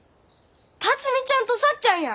辰美ちゃんとさっちゃんや。